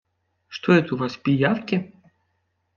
Что это у вас, пиявки?